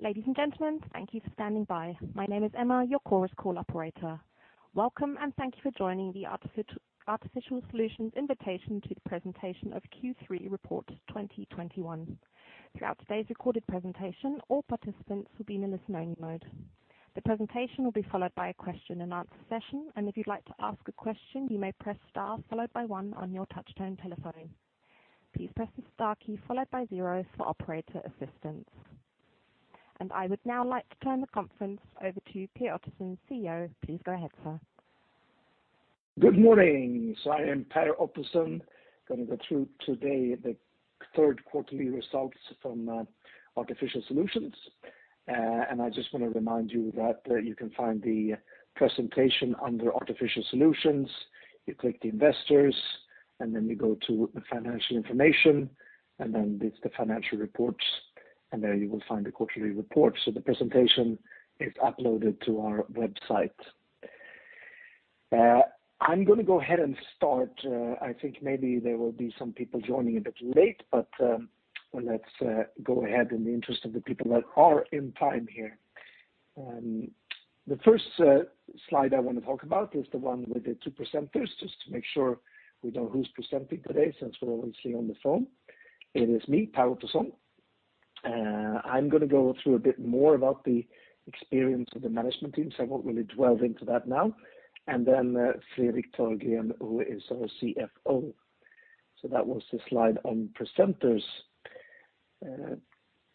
Ladies and gentlemen, thank you for standing by. My name is Emma, your Chorus Call operator. Welcome, and thank you for joining the Artificial Solutions invitation to the presentation of Q3 report 2021. Throughout today's recorded presentation, all participants will be in a listen-only mode. The presentation will be followed by a question-and-answer session, and if you'd like to ask a question, you may press star followed by one on your touch-tone telephone. Please press the star key followed by zero for operator assistance. I would now like to turn the conference over to Per Ottosson, CEO. Please go ahead, sir. Good morning. I am Per Ottosson. Gonna go through today the third quarterly results from Artificial Solutions. I just wanna remind you that you can find the presentation under Artificial Solutions. You click the Investors, and then you go to the Financial Information, and then there's the Financial Reports, and there you will find the quarterly report. The presentation is uploaded to our website. I'm gonna go ahead and start. I think maybe there will be some people joining a bit late, but well, let's go ahead in the interest of the people that are in time here. The first slide I wanna talk about is the one with the two presenters, just to make sure we know who's presenting today since we're obviously on the phone. It is me, Per Ottosson. I'm gonna go through a bit more about the experience of the management team, so I won't really dwell into that now. Fredrik Törgren, who is our CFO. That was the slide on presenters.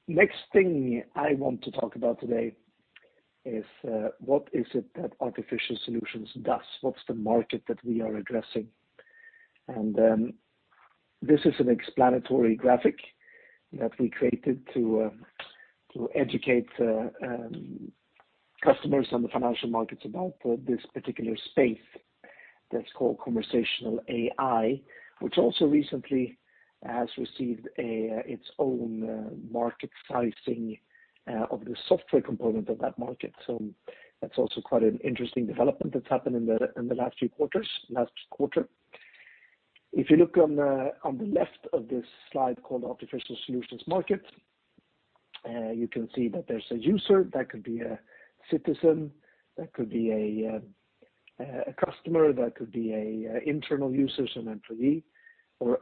Next thing I want to talk about today is what is it that Artificial Solutions does? What's the market that we are addressing? This is an explanatory graphic that we created to educate customers on the financial markets about this particular space that's called conversational AI, which also recently has received its own market sizing of the software component of that market. That's also quite an interesting development that's happened in the last few quarters, last quarter. If you look on the left of this slide called Artificial Solutions Market, you can see that there's a user that could be a citizen. That could be a customer, that could be an internal user, so an employee, or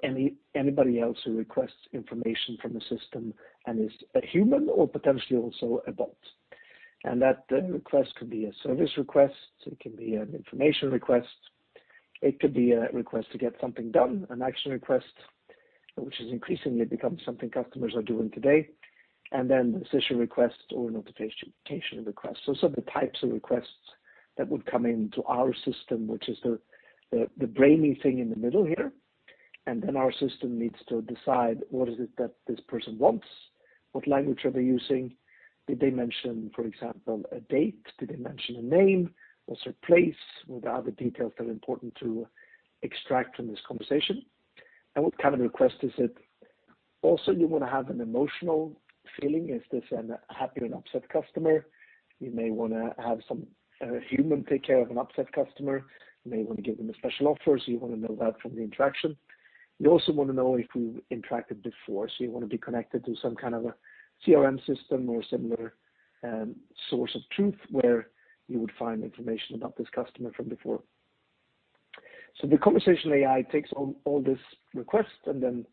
anybody else who requests information from the system and is a human or potentially also a bot. That request could be a service request, it can be an information request, it could be a request to get something done, an action request, which is increasingly becoming something customers are doing today, and then a session request or a notification request. Some of the types of requests that would come into our system, which is the brainy thing in the middle here, and then our system needs to decide what is it that this person wants, what language are they using? Did they mention, for example, a date? Did they mention a name? What's their place? Were there other details that are important to extract from this conversation? And what kind of request is it? Also, you wanna have an emotional feeling. Is this an happy or an upset customer? You may wanna have some human take care of an upset customer. You may wanna give them a special offer, so you wanna know that from the interaction. You also wanna know if we've interacted before, so you wanna be connected to some kind of a CRM system or similar, source of truth where you would find information about this customer from before. The conversational AI takes all this request and then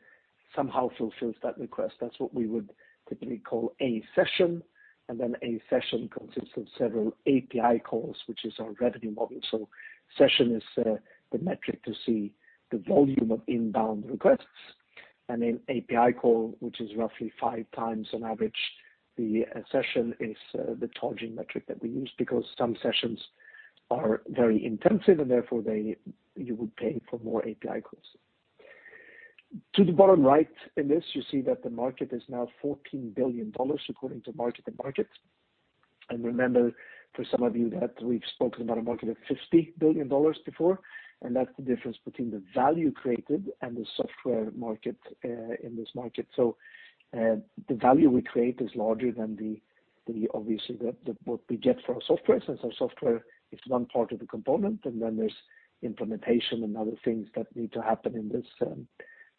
somehow fulfills that request. That's what we would typically call a session, and then a session consists of several API calls, which is our revenue model. Session is the metric to see the volume of inbound requests. API call, which is roughly five times on average the session, is the charging metric that we use because some sessions are very intensive, and therefore you would pay for more API calls. To the bottom right in this, you see that the market is now $14 billion according to MarketsandMarkets. Remember, for some of you that we've spoken about a market of $50 billion before, and that's the difference between the value created and the software market in this market. The value we create is larger than, obviously, what we get for our software since our software is one part of the component, and then there's implementation and other things that need to happen in this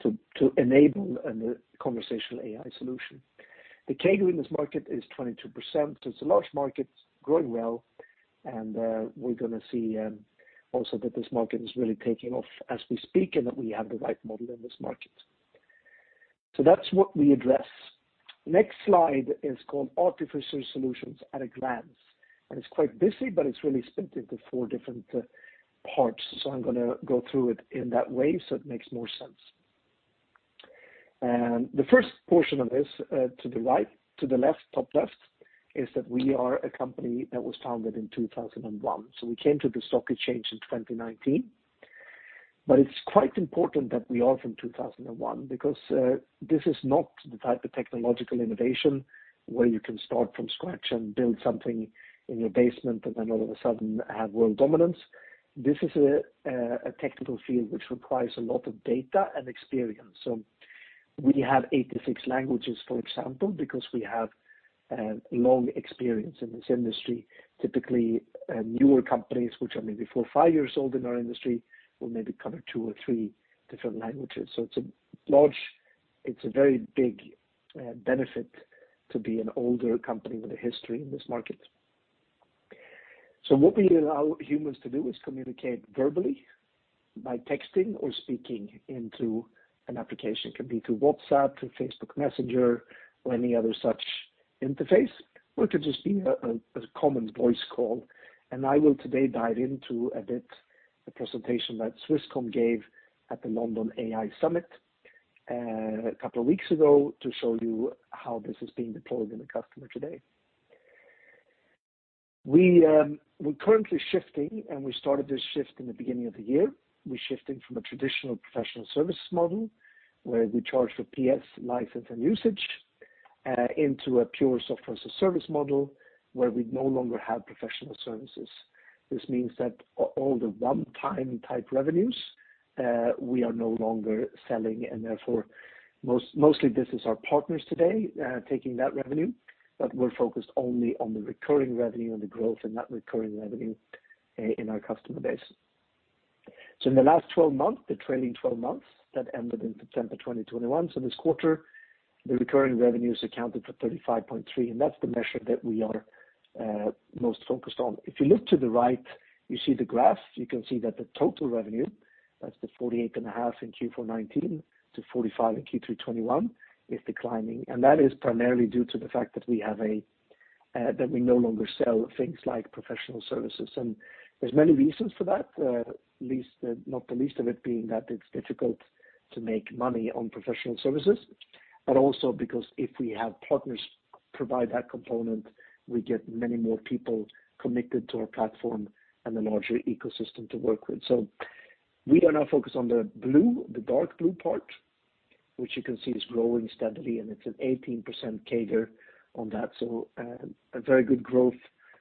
to enable a conversational AI solution. The CAGR in this market is 22%. It's a large market, growing well, and we're gonna see also that this market is really taking off as we speak and that we have the right model in this market. That's what we address. Next slide is called Artificial Solutions at a Glance, and it's quite busy, but it's really split into four different parts. I'm gonna go through it in that way so it makes more sense. The first portion of this, to the right, to the left, top left, is that we are a company that was founded in 2001. We came to the stock exchange in 2019. It's quite important that we are from 2001 because this is not the type of technological innovation where you can start from scratch and build something in your basement and then all of a sudden have world dominance. This is a technical field which requires a lot of data and experience. We have 86 languages, for example, because we have a long experience in this industry. Typically, newer companies which are maybe four or five years old in our industry, will maybe cover two or three different languages. It's a very big benefit to be an older company with a history in this market. What we allow humans to do is communicate verbally by texting or speaking into an application. It could be through WhatsApp, through Facebook Messenger, or any other such interface, or it could just be a common voice call. I will today dive into a bit the presentation that Swisscom gave at the London AI Summit, a couple of weeks ago to show you how this is being deployed in the customer today. We're currently shifting, and we started this shift in the beginning of the year. We're shifting from a traditional professional service model where we charge for PS license and usage into a pure software as a service model where we no longer have professional services. This means that all the one-time type revenues we are no longer selling and therefore mostly this is our partners today taking that revenue, but we're focused only on the recurring revenue and the growth in that recurring revenue in our customer base. In the last 12 months, the trailing 12 months that ended in September 2021, so this quarter, the recurring revenues accounted for 35.3%, and that's the measure that we are most focused on. If you look to the right, you see the graph, you can see that the total revenue, that's 48.5 in Q4 2019 to 45 in Q3 2021, is declining. That is primarily due to the fact that we no longer sell things like professional services. There's many reasons for that, not the least of it being that it's difficult to make money on professional services, but also because if we have partners provide that component, we get many more people committed to our platform and a larger ecosystem to work with. We are now focused on the blue, the dark blue part, which you can see is growing steadily, and it's an 18% CAGR on that. A very good growth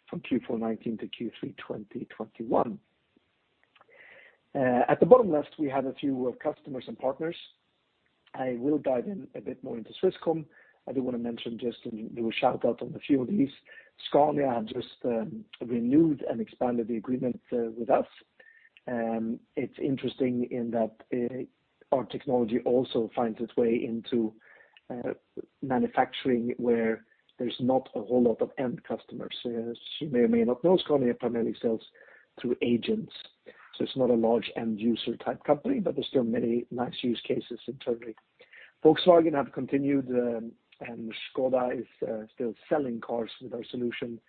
from Q4 2019 to Q3 2021. At the bottom left, we have a few customers and partners. I will dive in a bit more into Swisscom. I do wanna mention just and do a shout-out on the few of these. Scania have just renewed and expanded the agreement with us. It's interesting in that our technology also finds its way into manufacturing where there's not a whole lot of end customers. As you may or may not know, Scania primarily sells through agents, so it's not a large end user type company, but there's still many nice use cases internally. Volkswagen have continued, and Škoda is still selling cars with our solution,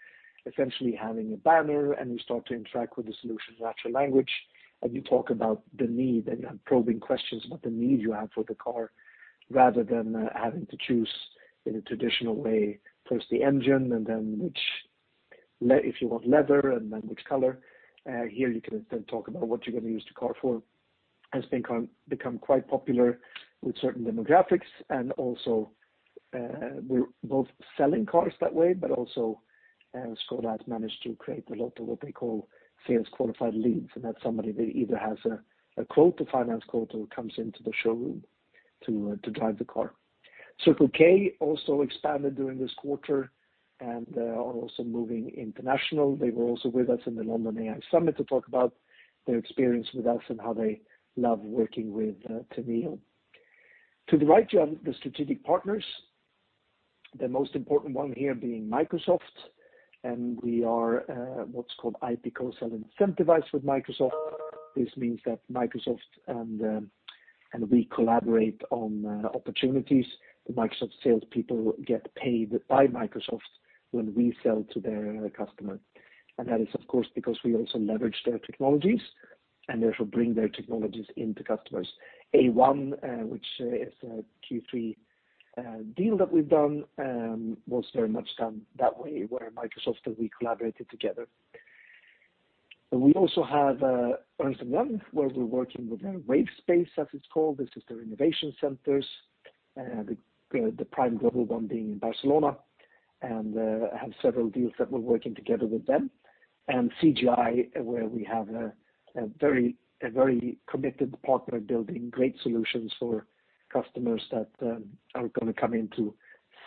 essentially having a banner, and you start to interact with the solution in natural language, and you talk about the need and have probing questions about the need you have for the car rather than having to choose in a traditional way, first the engine and then if you want leather and then which color. Here you can instead talk about what you're gonna use the car for. It has become quite popular with certain demographics and also, we're both selling cars that way, but also, Škoda has managed to create a lot of what they call sales qualified leads, and that's somebody that either has a quote, a finance quote, or comes into the showroom to drive the car. Circle K also expanded during this quarter and are also moving internationally. They were also with us in the London AI Summit to talk about their experience with us and how they love working with Teneo. To the right, you have the strategic partners, the most important one here being Microsoft, and we are what's called IP Co-Sell Incentivized with Microsoft. This means that Microsoft and we collaborate on opportunities. The Microsoft salespeople get paid by Microsoft when we sell to their customer. That is of course because we also leverage their technologies and therefore bring their technologies into customers. A1, which is a Q3 deal that we've done, was very much done that way, where Microsoft and we collaborated together. We also have Ernst & Young, where we're working with wavespace, as it's called. This is their innovation centers, the prime global one being in Barcelona, and have several deals that we're working together with them. CGI, where we have a very committed partner building great solutions for customers that are gonna come into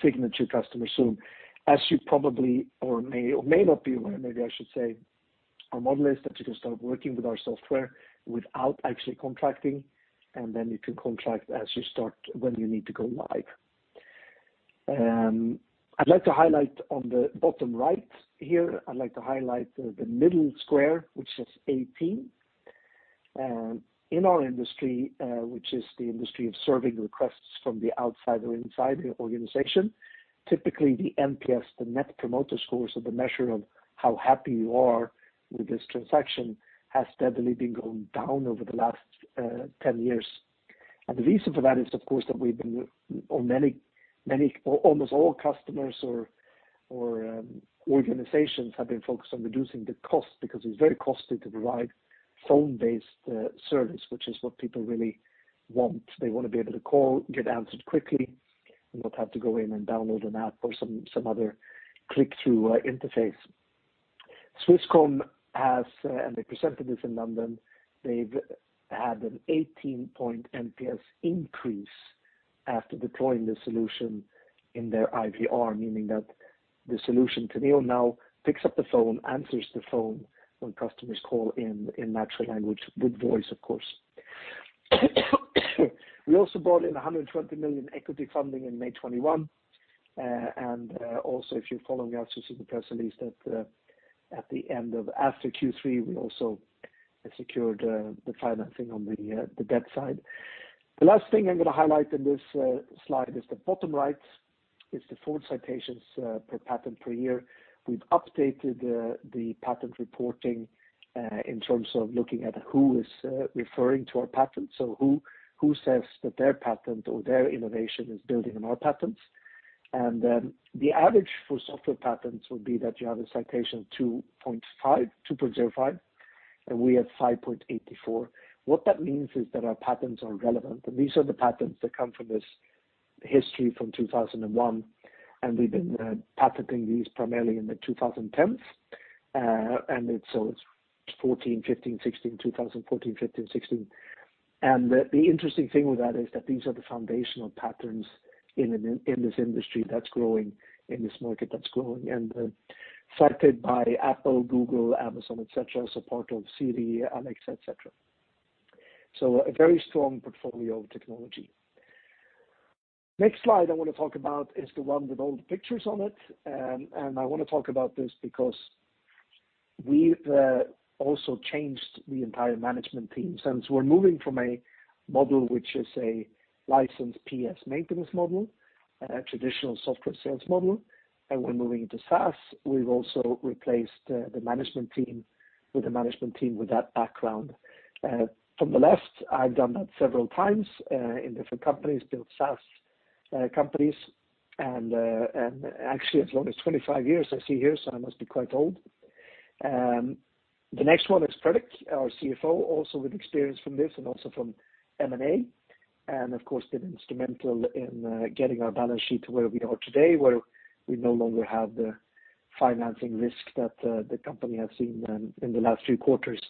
signature customers soon. As you probably or may or may not be aware, maybe I should say, our model is that you can start working with our software without actually contracting, and then you can contract as you start when you need to go live. I'd like to highlight the middle square, which says AP. In our industry, which is the industry of serving requests from the outside or inside the organization, typically the NPS, the net promoter score, so the measure of how happy you are with this transaction, has steadily been going down over the last 10 years. The reason for that is, of course, that we've been on many, or almost all customers or organizations have been focused on reducing the cost because it's very costly to provide phone-based service, which is what people really want. They wanna be able to call, get answered quickly, and not have to go in and download an app or some other click-through interface. Swisscom has, they presented this in London, they've had an 18-point NPS increase after deploying the solution in their IVR, meaning that the solution, Teneo, now picks up the phone, answers the phone when customers call in natural language, with voice, of course. We also brought in 120 million equity funding in May 2021. Also, if you're following us, you see the press release that at the end of after Q3, we also secured the financing on the debt side. The last thing I'm gonna highlight in this slide is the bottom right, the forward citations per patent per year. We've updated the patent reporting in terms of looking at who is referring to our patent. So who says that their patent or their innovation is building on our patents. The average for software patents would be that you have a citation 2.5, 2.05, and we have 5.84. What that means is that our patents are relevant. These are the patents that come from this history from 2001, and we've been patenting these primarily in the 2010s. It's always 14, 15, 16. 2014, 15, and 16. The interesting thing with that is that these are the foundational patterns in this industry that's growing, in this market that's growing, and cited by Apple, Google, Amazon, et cetera, so part of Siri, Alexa, et cetera. A very strong portfolio of technology. Next slide I wanna talk about is the one with all the pictures on it. I wanna talk about this because we've also changed the entire management team. Since we're moving from a model which is a licensed PS maintenance model, traditional software sales model, and we're moving into SaaS, we've also replaced the management team with a management team with that background. From the left, I've done that several times in different companies, built SaaS companies, and actually as long as 25 years, I see here, so I must be quite old. The next one is Fredrik, our CFO, also with experience from this and also from M&A, and of course, been instrumental in getting our balance sheet to where we are today, where we no longer have the financing risk that the company has seen in the last three quarters.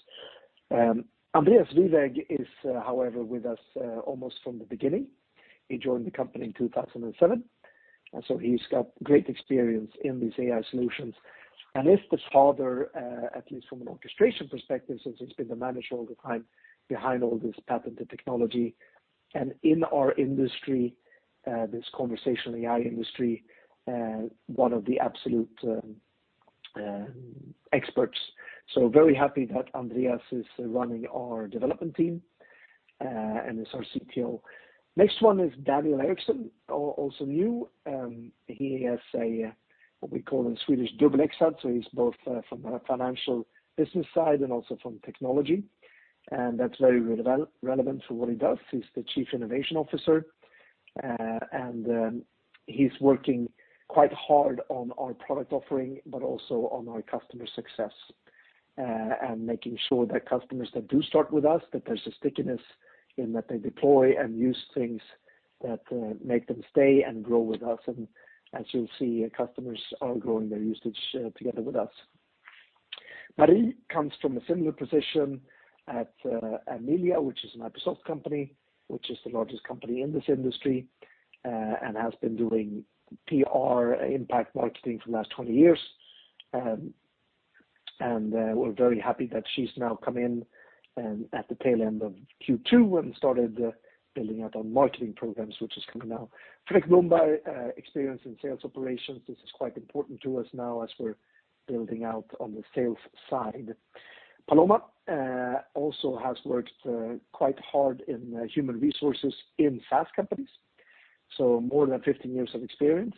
Andreas Wieweg is, however, with us almost from the beginning. He joined the company in 2007, and so he's got great experience in these AI solutions. He is the father, at least from an orchestration perspective, since he's been the manager all the time behind all this patented technology, and in our industry, this conversational AI industry, one of the absolute experts. Very happy that Andreas is running our development team, and is our CTO. Next one is Daniel Eriksson, also new. He has a, what we call in Swedish language. He's both, from a financial business side and also from technology. That's very relevant for what he does. He's the Chief Innovation Officer and he's working quite hard on our product offering, but also on our customer success and making sure that customers that do start with us, that there's a stickiness in that they deploy and use things that make them stay and grow with us. As you'll see, customers are growing their usage together with us. Marie comes from a similar position at Amelia, which is an IPsoft company, which is the largest company in this industry and has been doing PR impact marketing for the last 20 years. We're very happy that she's now come in at the tail end of Q2 and started building out on marketing programs, which is coming now. Fredrik Blomberg experience in sales operations. This is quite important to us now as we're building out on the sales side. Paloma also has worked quite hard in human resources in SaaS companies, so more than 15 years of experience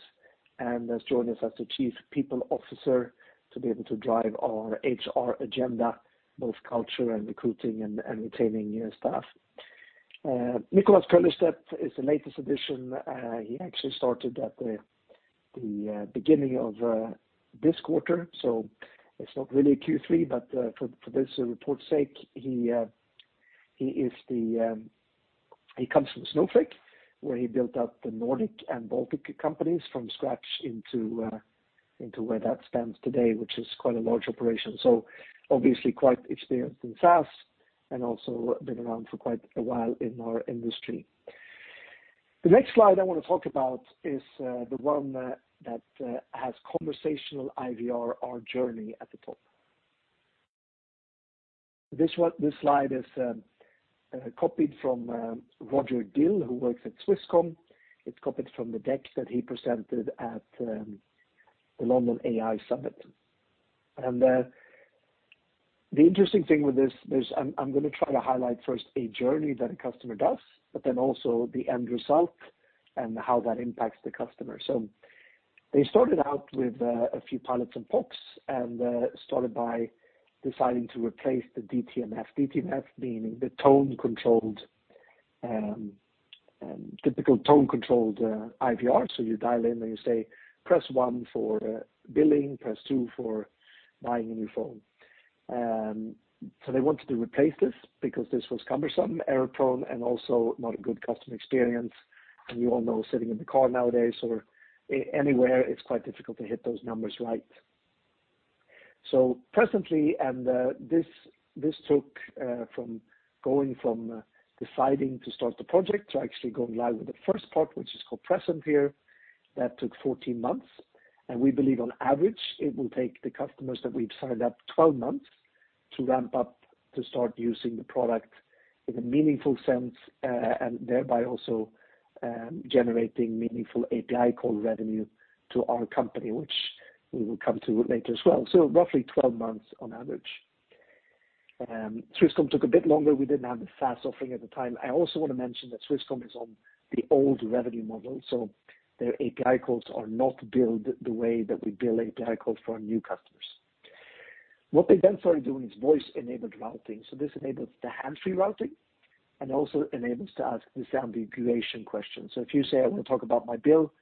and has joined us as the Chief People Officer to be able to drive our HR agenda, both culture and recruiting and retaining new staff. Nicolas Köllerstedt is the latest addition. He actually started at the beginning of this quarter, so it's not really Q3, but for this report's sake, he is the one. He comes from Snowflake, where he built up the Nordic and Baltic companies from scratch into where that stands today, which is quite a large operation. Obviously quite experienced in SaaS and also been around for quite a while in our industry. The next slide I wanna talk about is the one that has conversational IVR, our journey at the top. This one, this slide is copied from Roger Dill, who works at Swisscom. It's copied from the deck that he presented at the London AI Summit. The interesting thing with this is I'm gonna try to highlight first a journey that a customer does, but then also the end result and how that impacts the customer. They started out with a few pilots and POCs, and started by deciding to replace the DTMF being the tone-controlled typical tone-controlled IVR. You dial in and you say, "Press one for billing, press two for buying a new phone." They wanted to replace this because this was cumbersome, error-prone, and also not a good customer experience. You all know, sitting in the car nowadays or anywhere, it's quite difficult to hit those numbers right. Presently, this took from going from deciding to start the project to actually going live with the first part, which is called Presenter, that took 14 months. We believe on average, it will take the customers that we've signed up 12 months to ramp up to start using the product in a meaningful sense, and thereby also generating meaningful API call revenue to our company, which we will come to later as well. Roughly 12 months on average. Swisscom took a bit longer. We didn't have the fast offering at the time. I also wanna mention that Swisscom is on the old revenue model, so their API calls are not built the way that we build API calls for our new customers. What they then started doing is voice-enabled routing. This enables the hands-free routing and also enables to ask this disambiguation question. If you say, "I want to talk about my bill,"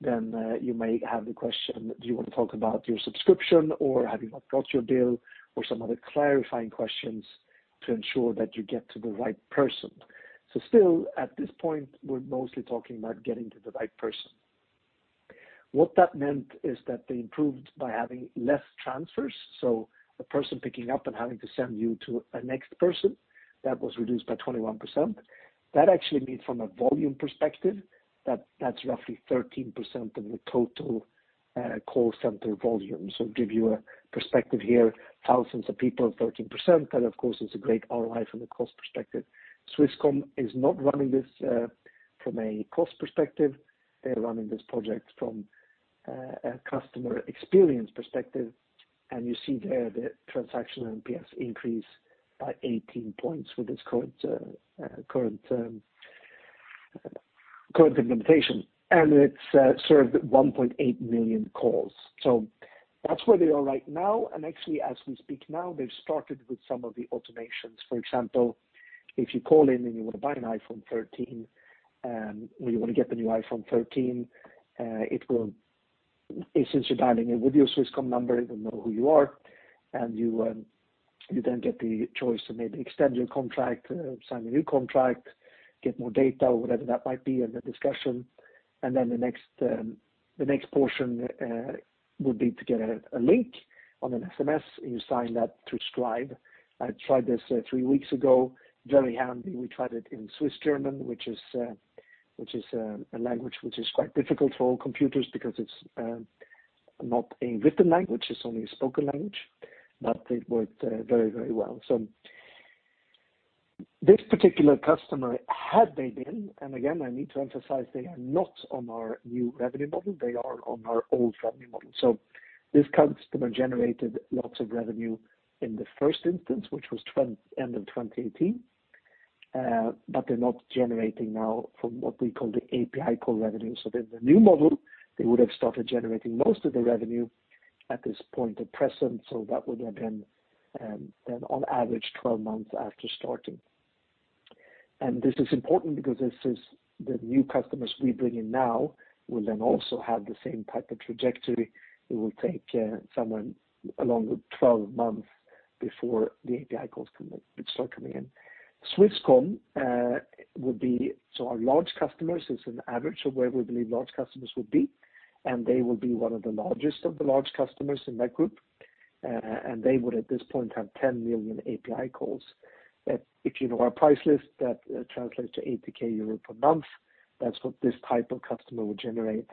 then, you may have the question, do you want to talk about your subscription or have you not got your bill? Some other clarifying questions to ensure that you get to the right person. Still, at this point, we're mostly talking about getting to the right person. What that meant is that they improved by having less transfers, so the person picking up and having to send you to a next person, that was reduced by 21%. That actually means from a volume perspective, that's roughly 13% of the total call center volume. Give you a perspective here, thousands of people, 13%, that of course is a great ROI from a cost perspective. Swisscom is not running this from a cost perspective. They're running this project from a customer experience perspective, and you see there the transaction NPS increase by 18 points with its current implementation. It's served 1.8 million calls. That's where they are right now, and actually, as we speak now, they've started with some of the automations. For example, if you call in and you wanna buy an iPhone 13, or you wanna get the new iPhone 13, it will know who you are since you're dialing it with your Swisscom number, and you then get the choice to maybe extend your contract, sign a new contract, get more data or whatever that might be in the discussion. Then the next portion would be to get a link on an SMS, and you sign that through Scribe. I tried this three weeks ago, very handy. We tried it in Swiss German, which is a language which is quite difficult for all computers because it's not a written language, it's only a spoken language, but it worked very, very well. This particular customer had they been, and again, I need to emphasize they are not on our new revenue model, they are on our old revenue model. This customer generated lots of revenue in the first instance, which was end of 2018. But they're not generating now from what we call the API call revenue. In the new model, they would have started generating most of the revenue at this point at present, so that would have been then on average 12 months after starting. This is important because the new customers we bring in now will then also have the same type of trajectory. It will take around 12 months before the API calls start coming in. Swisscom would be. Our large customers, it's an average of where we believe large customers would be, and they will be one of the largest of the large customers in that group. And they would, at this point, have 10 million API calls. If you know our price list, that translates to 80,000 euro per month. That's what this type of customer would generate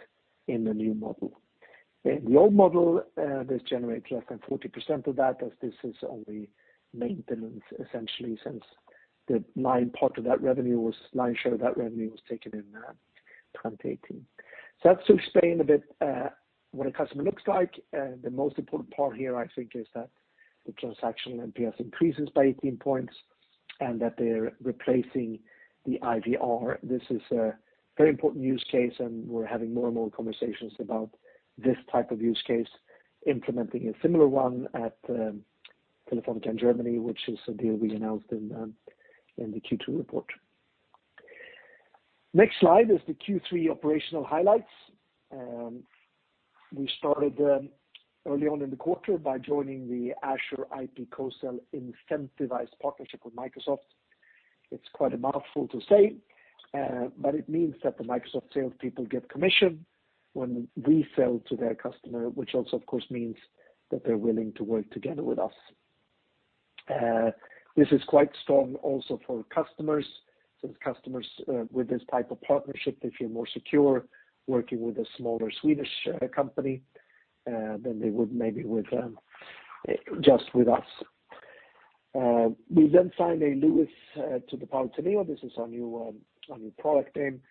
in the new model. In the old model, this generates less than 40% of that, as this is only maintenance essentially, since the lion's share of that revenue was taken in 2018. That's to explain a bit what a customer looks like. The most important part here, I think, is that the transactional NPS increases by 18 points and that they're replacing the IVR. This is a very important use case, and we're having more and more conversations about this type of use case, implementing a similar one at Telefónica in Germany, which is a deal we announced in the Q2 report. Next slide is the Q3 operational highlights. We started early on in the quarter by joining the Azure IP Co-sell Incentivized partnership with Microsoft. It's quite a mouthful to say, but it means that the Microsoft salespeople get commission when we sell to their customer, which also of course means that they're willing to work together with us. This is quite strong also for customers, since customers with this type of partnership, they feel more secure working with a smaller Swedish company than they would maybe with just us. We then signed a LUIS to the power of Teneo. This is our new product name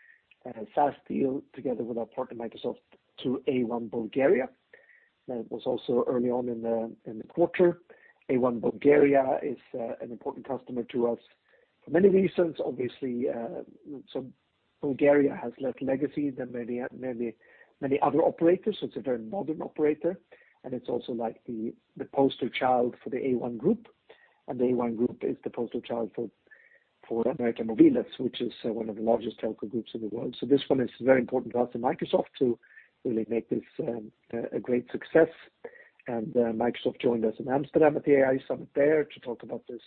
SaaS deal together with our partner Microsoft to A1 Bulgaria. That was also early on in the quarter. A1 Bulgaria is an important customer to us for many reasons. Obviously, so Bulgaria has less legacy than many other operators, so it's a very modern operator, and it's also like the poster child for the A1 Group. The A1 Group is the poster child for América Móvil, which is one of the largest telco groups in the world. This one is very important to us and Microsoft to really make this a great success. Microsoft joined us in Amsterdam at the AI Summit there to talk about this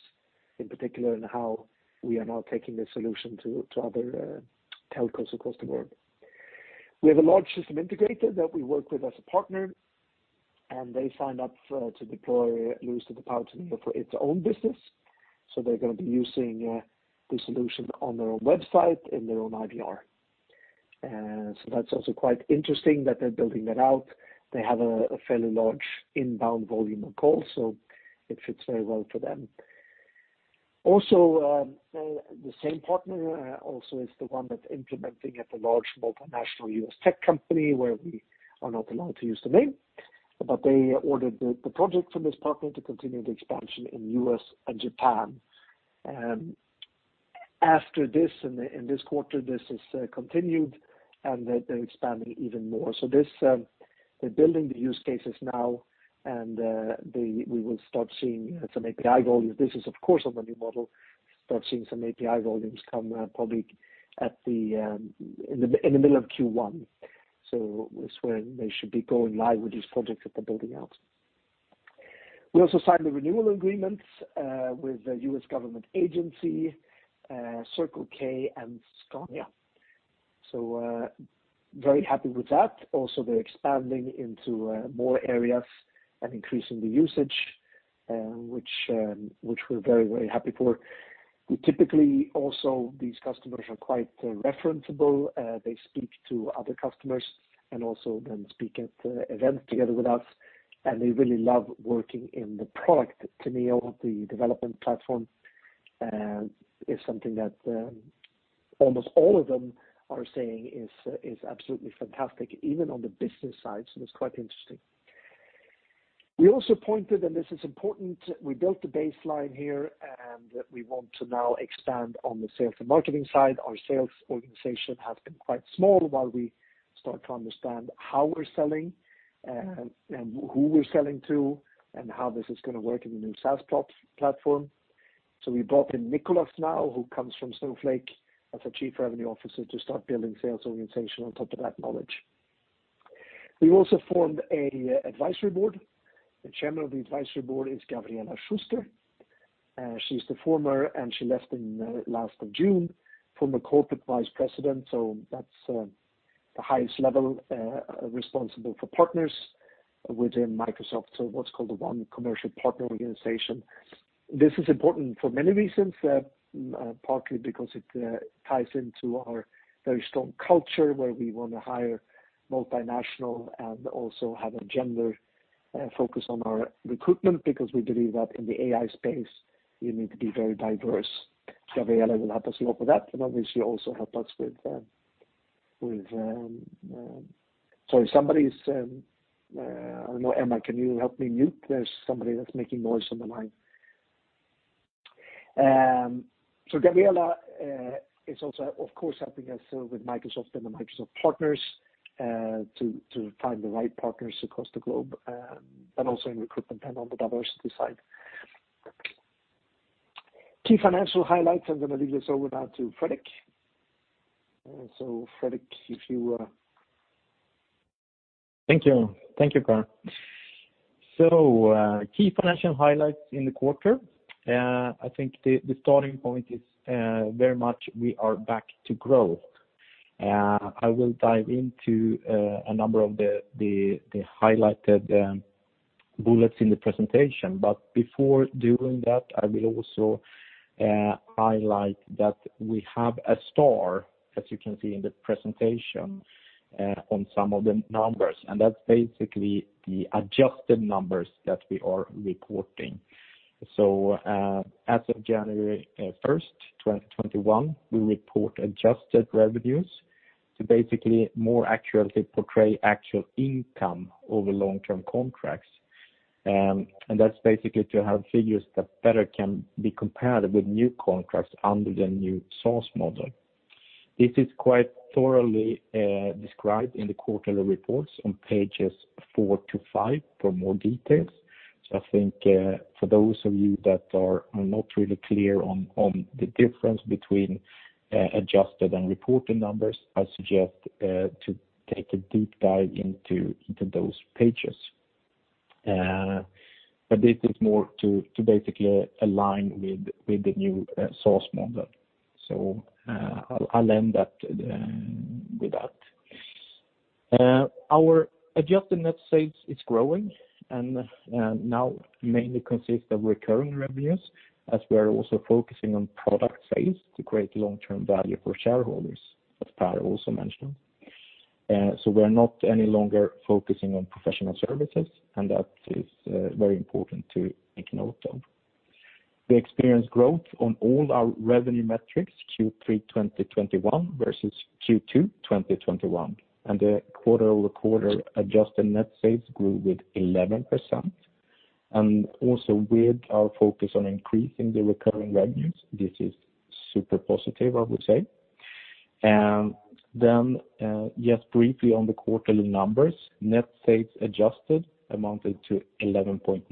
in particular, and how we are now taking this solution to other telcos across the world. We have a large system integrator that we work with as a partner, and they signed up to deploy LUIS to the power to me for its own business. They're gonna be using the solution on their own website, in their own IVR. That's also quite interesting that they're building that out. They have a fairly large inbound volume of calls, so it fits very well for them. Also, the same partner also is the one that's implementing at a large multinational U.S. tech company, where we are not allowed to use the name. They ordered the project from this partner to continue the expansion in U.S. and Japan. After this, in this quarter, this is continued, and they're expanding even more. This, they're building the use cases now, and we will start seeing some API volumes. This is of course on the new model. We will start seeing some API volumes come probably in the middle of Q1. That's when they should be going live with these projects that they're building out. We also signed the renewal agreements with the U.S. Government Agency, Circle K and Scania. Very happy with that. Also, they're expanding into more areas and increasing the usage, which we're very, very happy for. We typically also these customers are quite referenceable. They speak to other customers and also then speak at events together with us, and they really love working in the product. To me, all the development platform is something that almost all of them are saying is absolutely fantastic, even on the business side, so it's quite interesting. We also pointed, and this is important, we built the baseline here, and we want to now expand on the sales and marketing side. Our sales organization has been quite small while we start to understand how we're selling and who we're selling to, and how this is gonna work in the new sales platform. We brought in Nicolas now, who comes from Snowflake as a Chief Revenue Officer to start building sales organization on top of that knowledge. We've also formed an advisory board. The Chairman of the Advisory Board is Gavriella Schuster. She's the former Corporate Vice President, and she left in last of June. That's the highest level responsible for partners within Microsoft. What's called the One Commercial Partner organization. This is important for many reasons, partly because it ties into our very strong culture, where we wanna hire multinational and also have a gender focus on our recruitment, because we believe that in the AI space, you need to be very diverse. Gavriella will help us a lot with that, and obviously also help us with... Sorry, somebody's... I don't know. Emma, can you help me mute? There's somebody that's making noise on the line. Gavriella is also of course helping us with Microsoft and the Microsoft partners, to find the right partners across the globe, but also in recruitment and on the diversity side. Key financial highlights. I'm gonna leave this over now to Fredrik. Fredrik, if you- Thank you. Thank you, Per. Key financial highlights in the quarter. I think the starting point is very much we are back to growth. I will dive into a number of the highlighted bullets in the presentation. Before doing that, I will also highlight that we have a star, as you can see in the presentation, on some of the numbers, and that's basically the adjusted numbers that we are reporting. As of January 1st, 2021, we report adjusted revenues to basically more accurately portray actual income over long-term contracts. And that's basically to have figures that better can be compared with new contracts under the new source model. This is quite thoroughly described in the quarterly reports on pages four to five for more details. I think, for those of you that are not really clear on the difference between adjusted and reported numbers, I suggest to take a deep dive into those pages. This is more to basically align with the new SaaS model. I'll end that with that. Our adjusted net sales is growing and now mainly consists of recurring revenues, as we are also focusing on product sales to create long-term value for shareholders, as Per also mentioned. We're not any longer focusing on professional services, and that is very important to make note of. We experienced growth on all our revenue metrics, Q3 2021 versus Q2 2021, and the quarter-over-quarter adjusted net sales grew with 11%. Also with our focus on increasing the recurring revenues, this is super positive, I would say. Then, just briefly on the quarterly numbers. Net sales adjusted amounted to 11.9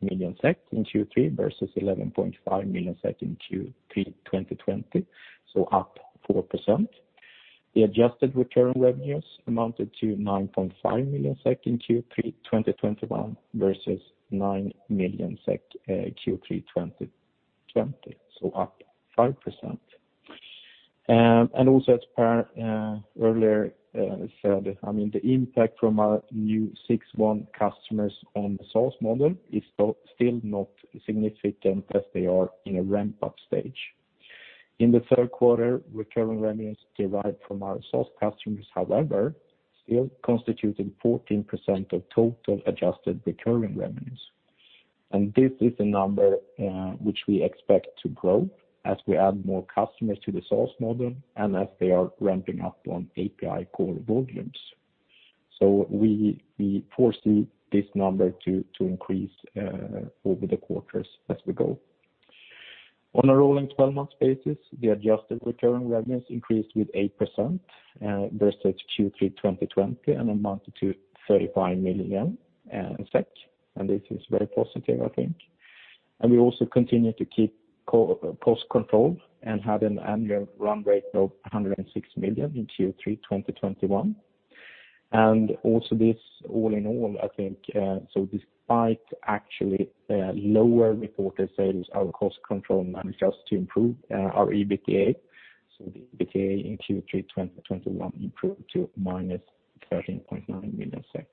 million SEK in Q3 versus 11.5 million SEK in Q3 2020, so up 4%. The adjusted recurring revenues amounted to 9.5 million SEK in Q3 2021 versus 9 million SEK in Q3 2020, so up 5%. As Per earlier said, I mean, the impact from our new SaaS customers on the SaaS model is still not significant as they are in a ramp-up stage. In the third quarter, recurring revenues derived from our SaaS customers, however, still constituting 14% of total adjusted recurring revenues. This is a number, which we expect to grow as we add more customers to the SaaS model and as they are ramping up on API call volumes. We foresee this number to increase over the quarters as we go. On a rolling twelve-month basis, the adjusted recurring revenues increased with 8% versus Q3 2020 and amounted to 35 million SEK, and this is very positive, I think. We also continue to keep cost control and had an annual run rate of 106 million in Q3 2021. This all in all, I think, so despite actually a lower reported sales, our cost control managed us to improve our EBITDA. The EBITDA in Q3 2021 improved to -13.9 million SEK.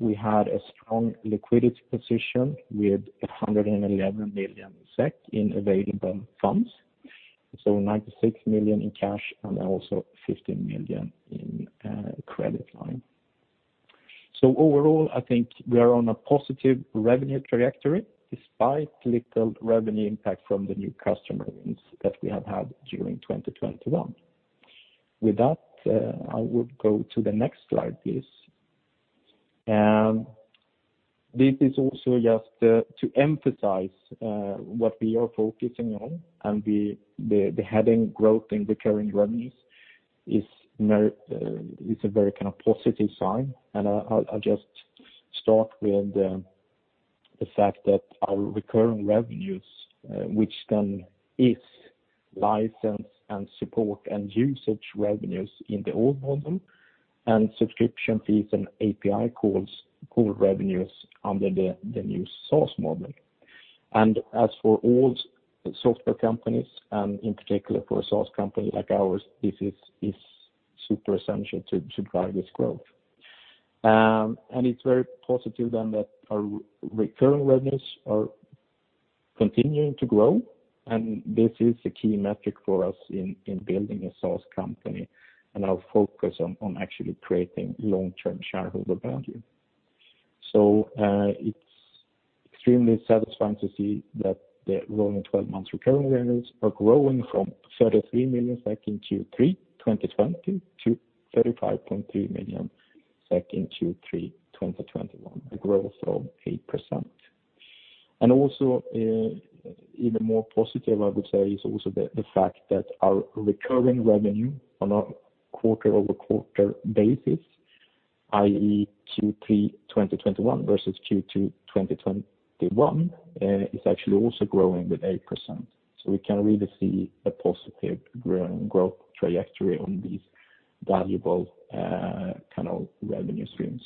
We had a strong liquidity position with 111 million SEK in available funds, so 96 million in cash and also 15 million in credit line. Overall, I think we are on a positive revenue trajectory despite little revenue impact from the new customers that we have had during 2021. With that, I would go to the next slide, please. This is also just to emphasize what we are focusing on and the having growth in recurring revenues is a very kind of positive sign. I'll just start with the fact that our recurring revenues, which then is license and support and usage revenues in the old model and subscription fees and API call revenues under the new SaaS model. As for all software companies, and in particular for a SaaS company like ours, this is super essential to drive this growth. It's very positive then that our recurring revenues are continuing to grow. This is a key metric for us in building a SaaS company and our focus on actually creating long-term shareholder value. It's extremely satisfying to see that the rolling 12 months recurring revenues are growing from 33 million in Q3 2020 to 35.3 million in Q3 2021, a growth of 8%. Even more positive, I would say, is also the fact that our recurring revenue on a quarter-over-quarter basis, i.e., Q3 2021 versus Q2 2021, is actually also growing with 8%. We can really see a positive growth trajectory on these valuable kind of revenue streams.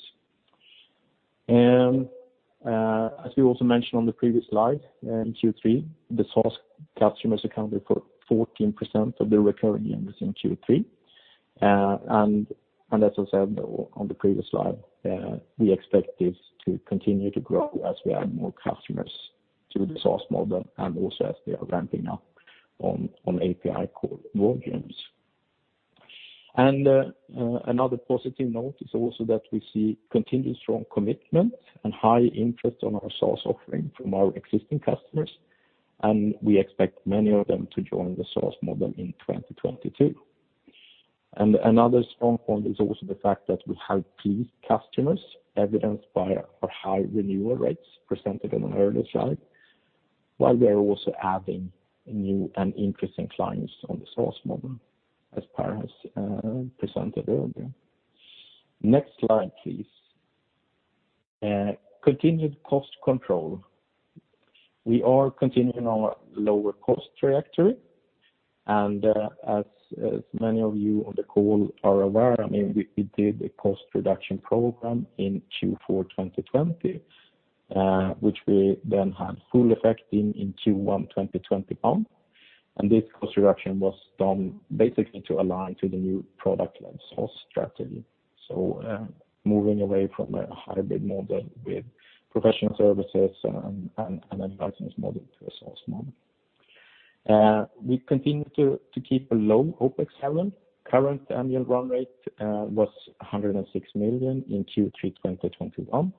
As we also mentioned on the previous slide, in Q3, the SaaS customers accounted for 14% of the recurring revenues in Q3. As I said on the previous slide, we expect this to continue to grow as we add more customers to the SaaS model and also as they are ramping up on API call volumes. Another positive note is also that we see continued strong commitment and high interest on our SaaS offering from our existing customers, and we expect many of them to join the SaaS model in 2022. Another strong point is also the fact that we have key customers evidenced by our high renewal rates presented on an earlier slide, while we are also adding new and interesting clients on the SaaS model as Per has presented earlier. Next slide, please. Continued cost control. We are continuing our lower cost trajectory. As many of you on the call are aware, I mean, we did a cost reduction program in Q4 2020, which we then had full effect in Q1 2021. This cost reduction was done basically to align to the new product line SaaS strategy. Moving away from a hybrid model with professional services and a license model to a SaaS model. We continue to keep a low OpEx level. Current annual run rate was 106 million in Q3 2021.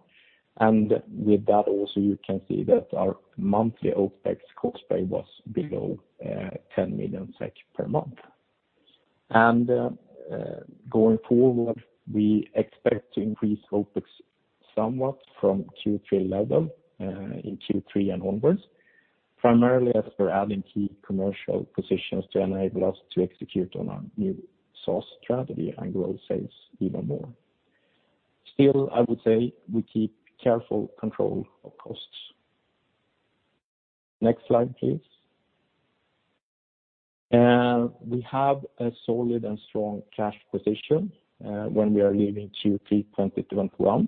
With that also you can see that our monthly OpEx cost base was below 10 million SEK per month. Going forward, we expect to increase OpEx somewhat from Q3 level in Q3 and onwards, primarily as we're adding key commercial positions to enable us to execute on our new source strategy and grow sales even more. Still, I would say we keep careful control of costs. Next slide, please. We have a solid and strong cash position when we are leaving Q3 2021,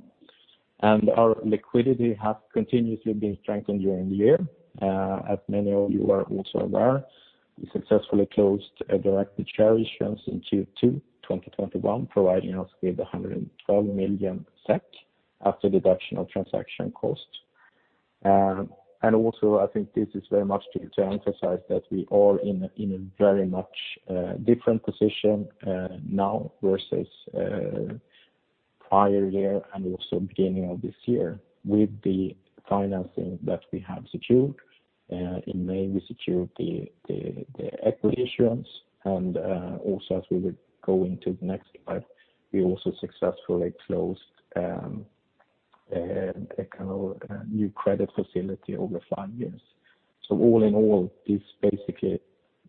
and our liquidity has continuously been strengthened during the year. As many of you are also aware, we successfully closed a direct share issuance in Q2 2021, providing us with 112 million SEK after deduction of transaction costs. I think this is very much to emphasize that we are in a very much different position now versus prior year and also beginning of this year with the financing that we have secured. In May, we secured the equity issuance. Also as we would go into the next slide, we also successfully closed a kind of new credit facility over five years. All in all, this basically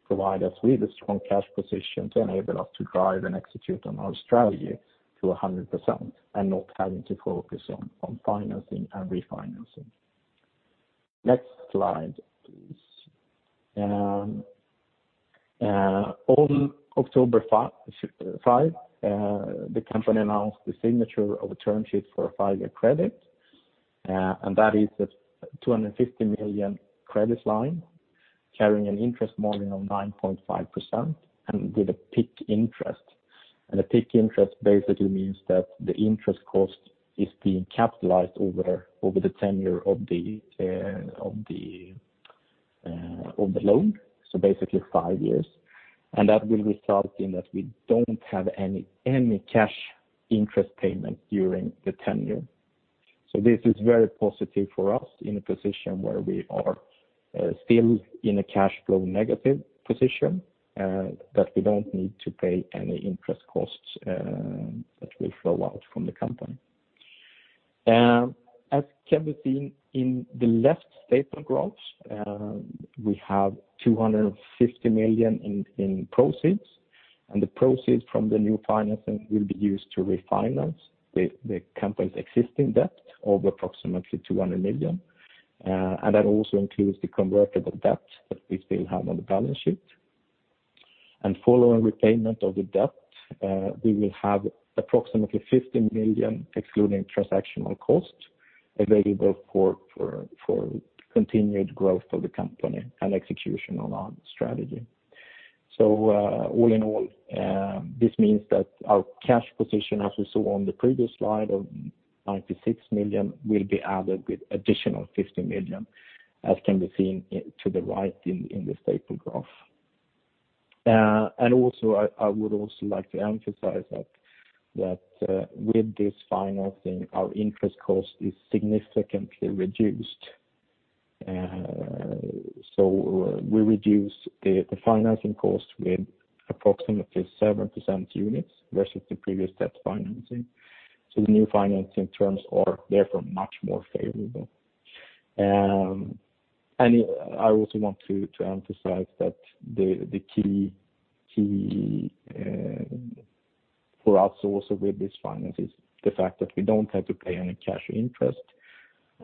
provide us with a strong cash position to enable us to drive and execute on our strategy to 100% and not having to focus on financing and refinancing. Next slide, please. On October 5, the company announced the signature of a term sheet for a five-year credit. That is a 250 million credit line carrying an interest margin of 9.5% and with a PIK interest. A PIK interest basically means that the interest cost is being capitalized over the tenure of the loan, so basically five years. That will result in that we don't have any cash interest payment during the tenure. This is very positive for us in a position where we are still in a cash flow negative position that we don't need to pay any interest costs that will flow out from the company. As can be seen in the left staple graphs, we have 250 million in proceeds, and the proceeds from the new financing will be used to refinance the company's existing debt of approximately 200 million. That also includes the convertible debt that we still have on the balance sheet. Following repayment of the debt, we will have approximately 50 million excluding transactional costs available for continued growth of the company and execution on our strategy. All in all, this means that our cash position, as we saw on the previous slide of 96 million, will be added with additional 50 million, as can be seen to the right in the staple graph. I would also like to emphasize that with this financing, our interest cost is significantly reduced. We reduce the financing cost with approximately 7 percentage points versus the previous debt financing. The new financing terms are therefore much more favorable. I also want to emphasize that the key for us also with this financing is the fact that we don't have to pay any cash interest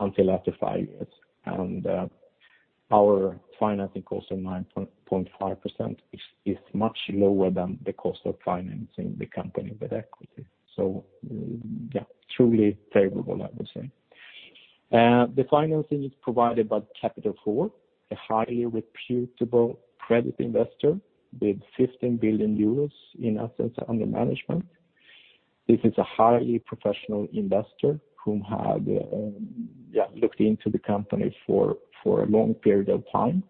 until after five years. Our financing cost of 9.5% is much lower than the cost of financing the company with equity. Yeah, truly favorable, I would say. The financing is provided by Capital Four, a highly reputable credit investor with 15 billion euros in assets under management. This is a highly professional investor who had looked into the company for a long period of time.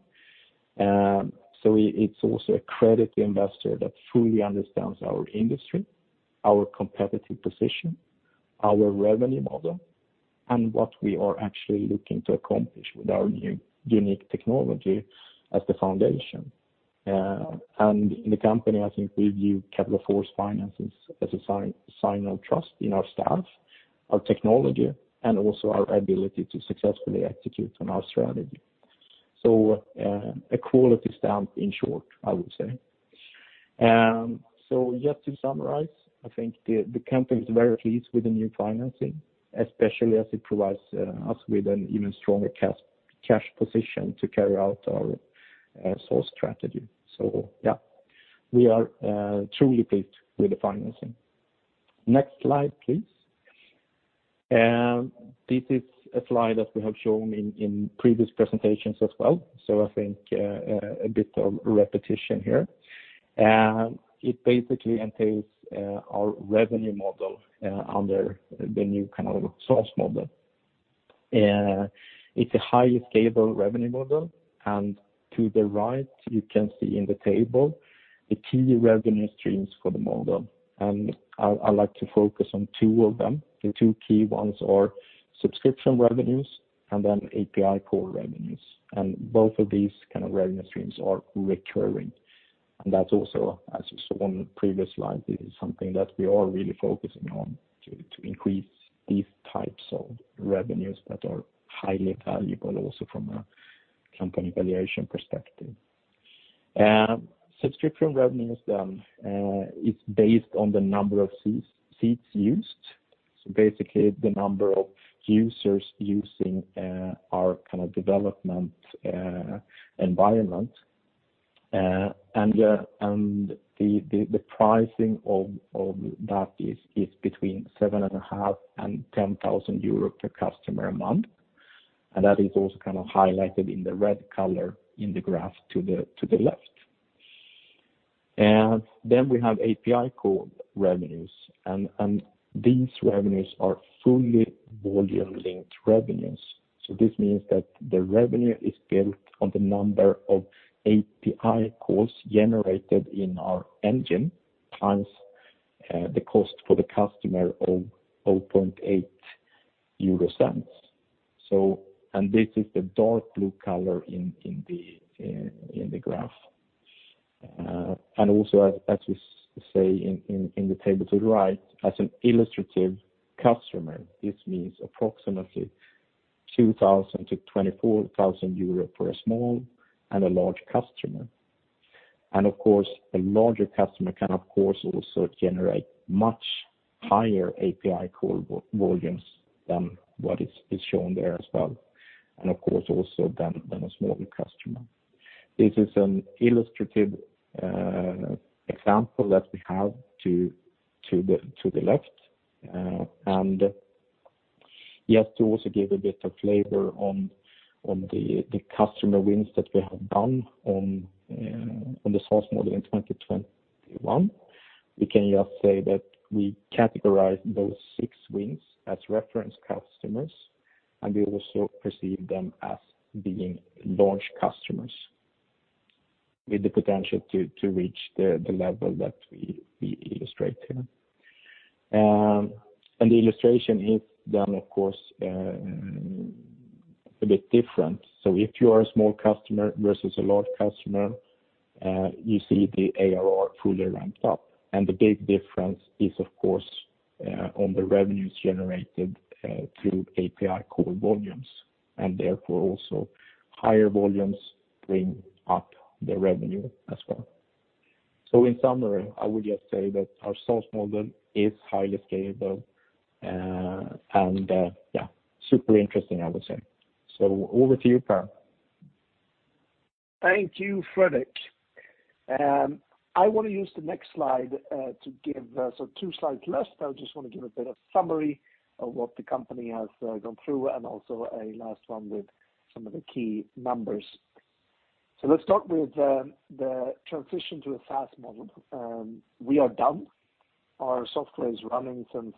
It is also a credit investor that truly understands our industry, our competitive position, our revenue model, and what we are actually looking to accomplish with our new unique technology as the foundation. In the company, I think we view Capital Four's finances as a sign of trust in our staff, our technology, and also our ability to successfully execute on our strategy. A quality stamp in short, I would say. Just to summarize, I think the company is very pleased with the new financing, especially as it provides us with an even stronger cash position to carry out our core strategy. We are truly pleased with the financing. Next slide, please. This is a slide that we have shown in previous presentations as well. I think a bit of repetition here. It basically entails our revenue model under the new kind of SaaS model. It's a highly scalable revenue model. To the right, you can see in the table the key revenue streams for the model. I like to focus on two of them. The two key ones are subscription revenues and then API call revenues. Both of these kind of revenue streams are recurring. That's also, as you saw on the previous slide, this is something that we are really focusing on to increase these types of revenues that are highly valuable also from a company valuation perspective. Subscription revenues is based on the number of seats used. Basically, the number of users using our kind of development environment, and the pricing of that is between 7,500 and 10,000 euro per customer a month. That is also kind of highlighted in the red color in the graph to the left. We have API call revenues, and these revenues are fully volume-linked revenues. This means that the revenue is built on the number of API calls generated in our engine, times the cost for the customer of EUR 0.008. This is the dark blue color in the graph. As we say in the table to the right, as an illustrative customer, this means approximately 2,000-24,000 euro for a small and a large customer. Of course, a larger customer can of course also generate much higher API call volumes than what is shown there as well. Of course, also than a smaller customer. This is an illustrative example that we have to the left. Just to also give a bit of flavor on the customer wins that we have done on the SaaS model in 2021, we can just say that we categorize those six wins as reference customers, and we also perceive them as being large customers with the potential to reach the level that we illustrate here. The illustration is done, of course, a bit different. If you are a small customer versus a large customer, you see the ARR fully ramped up. The big difference is of course, on the revenues generated, through API call volumes, and therefore also higher volumes bring up the revenue as well. In summary, I would just say that our SaaS model is highly scalable, and, yeah, super interesting, I would say. Over to you, Per. Thank you, Fredrik. I wanna use the next slide to give so two slides left. I just wanna give a bit of summary of what the company has gone through and also a last one with some of the key numbers. Let's start with the transition to a SaaS model. We are done. Our software is running since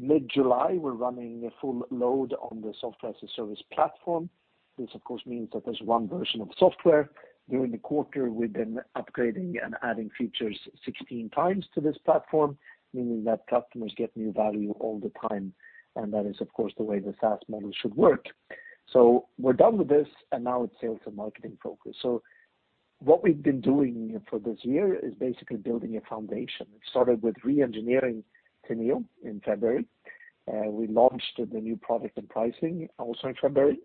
mid-July. We're running a full load on the software as a service platform. This of course means that there's one version of software. During the quarter, we've been upgrading and adding features 16 times to this platform, meaning that customers get new value all the time. That is, of course, the way the SaaS model should work. We're done with this, and now it's sales and marketing focus. What we've been doing for this year is basically building a foundation. It started with re-engineering Teneo in February. We launched the new product and pricing also in February.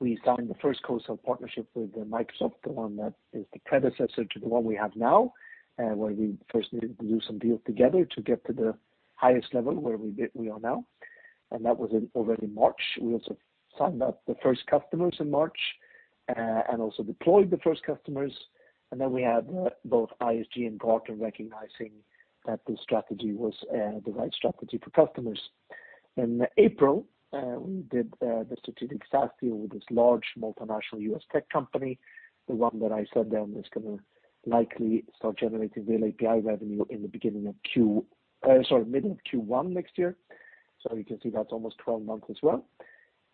We signed the first co-sale partnership with Microsoft, the one that is the predecessor to the one we have now, where we first needed to do some deals together to get to the highest level where we are now. That was already in March. We also signed up the first customers in March, and also deployed the first customers. We had both ISG and Gartner recognizing that this strategy was the right strategy for customers. In April, we did the strategic SaaS deal with this large multinational U.S. tech company, the one that I said then was gonna likely start generating real API revenue mid Q1 next year. You can see that's almost 12 months as well.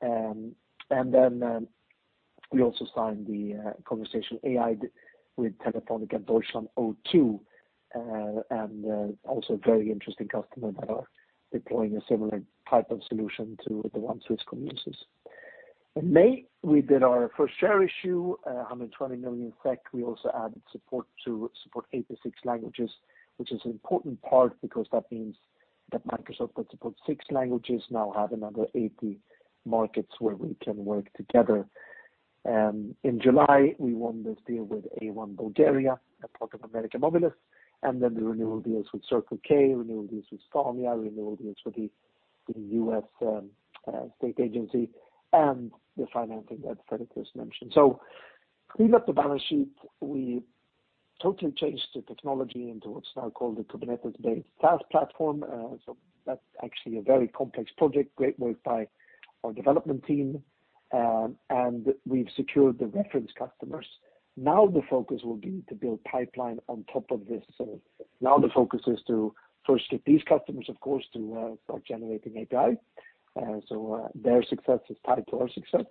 We also signed the conversational AI deal with Telefónica Deutschland O2, and also a very interesting customer that are deploying a similar type of solution to the one Swisscom uses. In May, we did our first share issue, 120 million SEK. We also added support for 86 languages, which is an important part because that means that Microsoft that support six languages now have another 80 markets where we can work together. In July, we won this deal with A1 Bulgaria, a part of América Móvil, and then the renewal deals with Circle K, renewal deals with Scania, renewal deals with the U.S. state agency, and the financing that Fredrik just mentioned. We built the balance sheet. We totally changed the technology into what's now called the Kubernetes-based SaaS platform. That's actually a very complex project. Great work by our development team. We've secured the reference customers. Now the focus will be to build pipeline on top of this. Now the focus is to first get these customers, of course, to start generating API. Their success is tied to our success,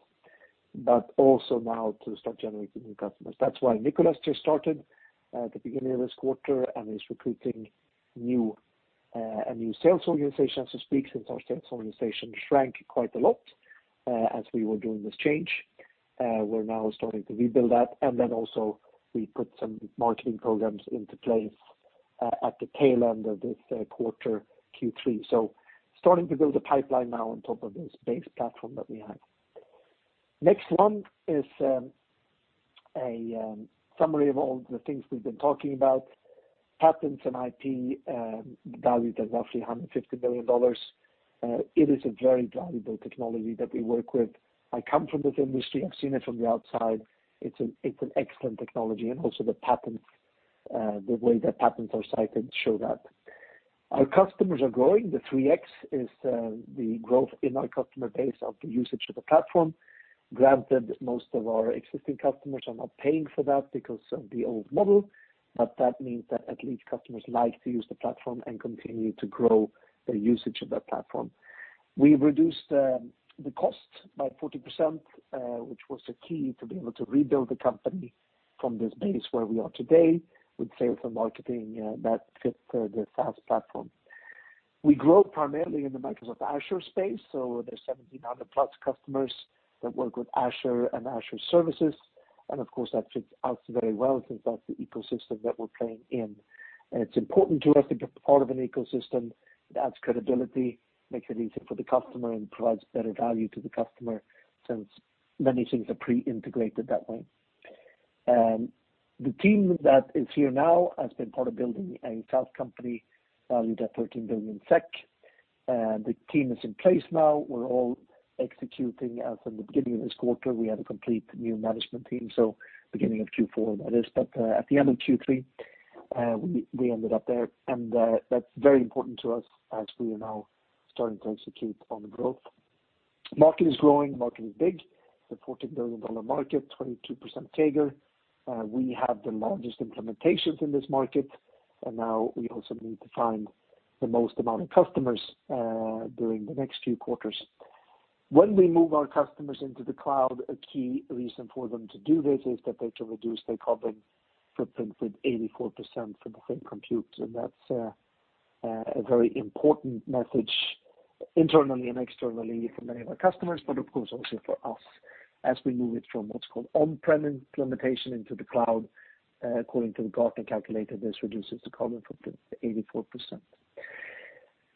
but also now to start generating new customers. That's why Nicolas just started at the beginning of this quarter and is recruiting a new sales organization, so to speak, since our sales organization shrank quite a lot. As we were doing this change, we're now starting to rebuild that, and then also we put some marketing programs into place at the tail end of this quarter, Q3. Starting to build a pipeline now on top of this base platform that we have. Next one is a summary of all the things we've been talking about. Patents and IP valued at roughly $150 million. It is a very valuable technology that we work with. I come from this industry. I've seen it from the outside. It's an excellent technology, and also the patents, the way the patents are cited show that. Our customers are growing. The 3x is the growth in our customer base of the usage of the platform. Granted, most of our existing customers are not paying for that because of the old model, but that means that at least customers like to use the platform and continue to grow their usage of that platform. We reduced the cost by 40%, which was the key to be able to rebuild the company from this base where we are today with sales and marketing that fit for the sales platform. We grow primarily in the Microsoft Azure space, so there's 1,700+ customers that work with Azure and Azure services. Of course, that fits us very well since that's the ecosystem that we're playing in. It's important to us to be part of an ecosystem that adds credibility, makes it easier for the customer, and provides better value to the customer since many things are pre-integrated that way. The team that is here now has been part of building a sales company valued at 13 billion SEK. The team is in place now. We're all executing. In the beginning of this quarter, we had a complete new management team, so beginning of Q4 that is. At the end of Q3, we ended up there. That's very important to us as we are now starting to execute on the growth. Market is growing. Market is big. It's a $40 billion market, 22% CAGR. We have the largest implementations in this market, and now we also need to find the most amount of customers during the next few quarters. When we move our customers into the cloud, a key reason for them to do this is that they can reduce their carbon footprint with 84% for the same compute. That's a very important message internally and externally for many of our customers, but of course also for us as we move it from what's called on-prem implementation into the cloud. According to the Gartner calculator, this reduces the carbon footprint to 84%.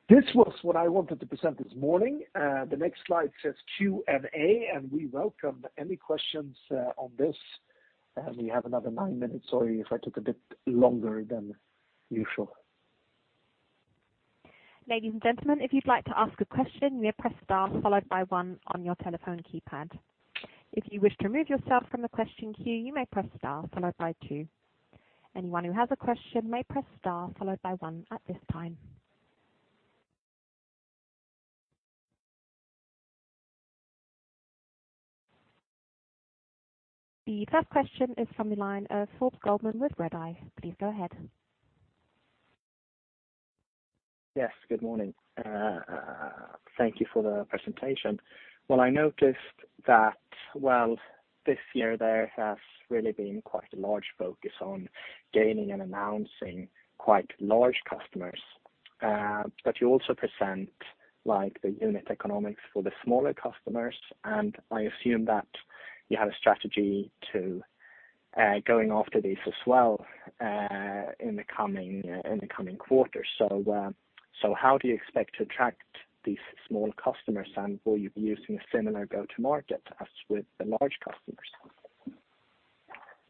This was what I wanted to present this morning. The next slide says Q&A, and we welcome any questions on this. We have another nine minutes. Sorry if I took a bit longer than usual. Ladies and gentlemen, if you'd like to ask a question, you may press star followed by one on your telephone keypad. If you wish to remove yourself from the question queue, you may press star followed by two. Anyone who has a question may press star followed by one at this time. The first question is from the line of Forbes Goldman with Redeye. Please go ahead. Yes, good morning. Thank you for the presentation. Well, I noticed that, well, this year there has really been quite a large focus on gaining and announcing quite large customers. But you also present like the unit economics for the smaller customers, and I assume that you have a strategy to going after these as well in the coming quarters. How do you expect to attract these smaller customers, and will you be using a similar go-to-market as with the large customers?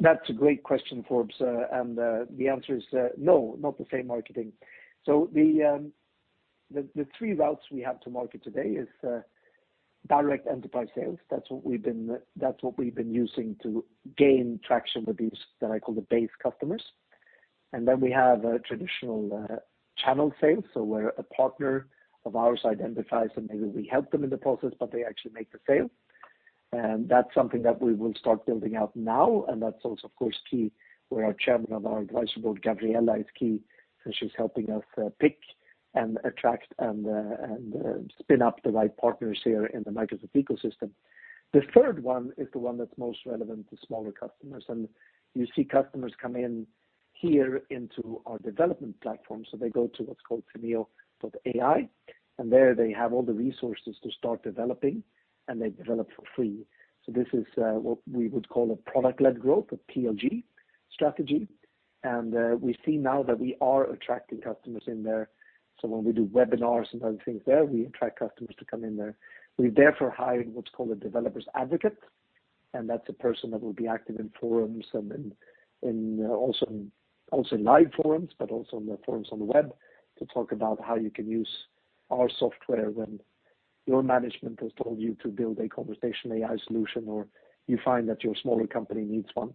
That's a great question, Forbes. The answer is no, not the same marketing. The three routes we have to market today is direct enterprise sales. That's what we've been using to gain traction with these that I call the base customers. We have a traditional channel sales. Where a partner of ours identifies and maybe we help them in the process, but they actually make the sale. That's something that we will start building out now, and that's also of course key where our Chairman of our Advisory Board, Gavriella, is key, and she's helping us pick and attract and spin up the right partners here in the Microsoft ecosystem. The third one is the one that's most relevant to smaller customers. You see customers come in here into our development platform, so they go to what's called Teneo.ai, and there they have all the resources to start developing, and they develop for free. This is what we would call a product-led growth, a PLG strategy. We see now that we are attracting customers in there. When we do webinars and other things there, we attract customers to come in there. We're therefore hiring what's called a developer's advocate, and that's a person that will be active in forums and also in live forums, but also in the forums on the web to talk about how you can use our software when your management has told you to build a conversational AI solution, or you find that your smaller company needs one.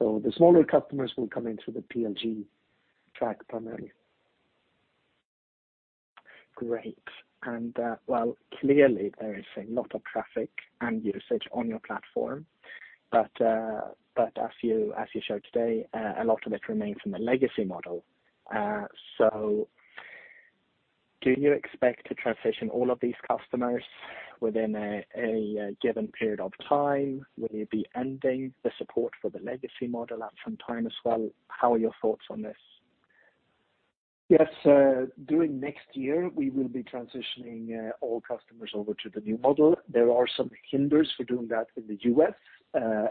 The smaller customers will come in through the PLG track primarily. Great. Clearly there is a lot of traffic and usage on your platform. As you showed today, a lot of it remains in the legacy model. Do you expect to transition all of these customers within a given period of time? Will you be ending the support for the legacy model at some time as well? How are your thoughts on this? Yes, during next year we will be transitioning all customers over to the new model. There are some hindrances for doing that in the U.S.,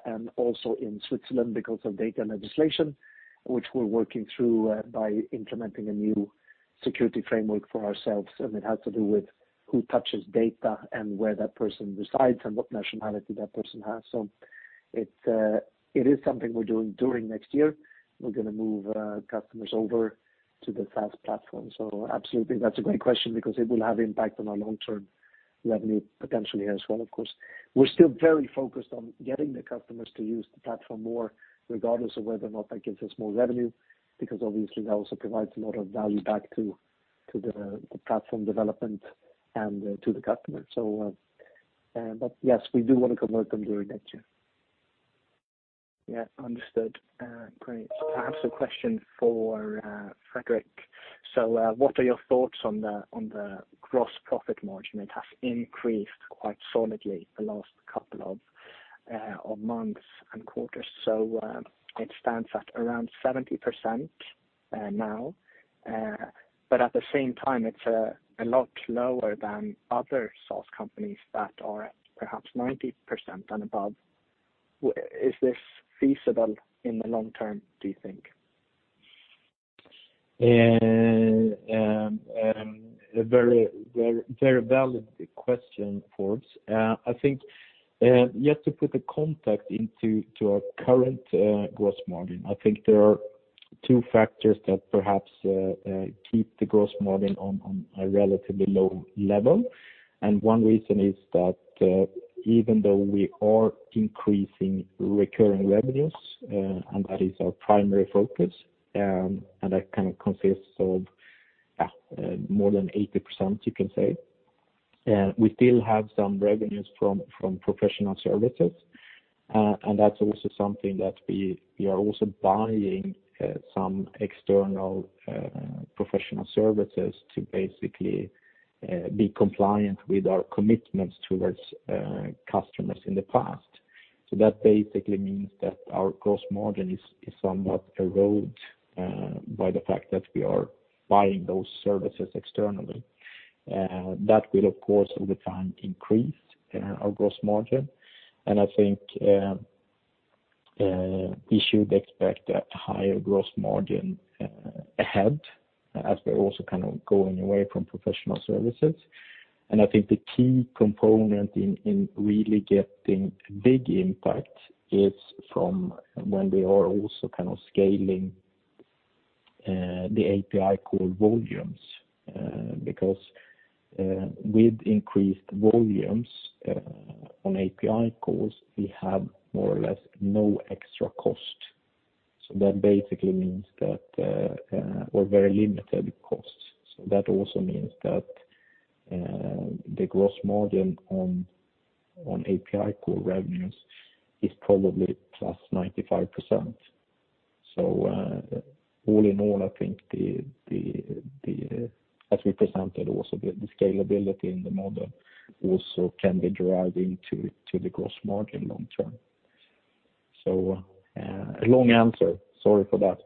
and also in Switzerland because of data legislation, which we're working through by implementing a new security framework for ourselves, and it has to do with who touches data and where that person resides and what nationality that person has. It is something we're doing during next year. We're gonna move customers over to the SaaS platform. Absolutely, that's a great question because it will have impact on our long-term revenue potentially as well, of course. We're still very focused on getting the customers to use the platform more regardless of whether or not that gives us more revenue, because obviously that also provides a lot of value back to the platform development and to the customer. Yes, we do wanna convert them during next year. Yeah. Understood. Great. I have some question for Fredrik. What are your thoughts on the gross profit margin? It has increased quite solidly the last couple of months and quarters. It stands at around 70%, now, but at the same time, it's a lot lower than other SaaS companies that are perhaps 90% and above. Is this feasible in the long term, do you think? A very valid question, Forbes. I think just to put a context into our current gross margin. I think there are two factors that perhaps keep the gross margin on a relatively low level. One reason is that even though we are increasing recurring revenues and that is our primary focus and that kind of consists of more than 80%, you can say. We still have some revenues from professional services and that's also something that we are also buying some external professional services to basically be compliant with our commitments towards customers in the past. That basically means that our gross margin is somewhat eroded by the fact that we are buying those services externally. That will of course over time increase our gross margin. I think we should expect a higher gross margin ahead as we're also kind of going away from professional services. I think the key component in really getting big impact is from when we are also kind of scaling the API call volumes. Because with increased volumes on API calls, we have more or less no extra cost. That basically means that or very limited costs. That also means that the gross margin on API call revenues is probably plus 95%. All in all, I think, as we presented also, the scalability in the model also can be driving to the gross margin long term. A long answer, sorry for that,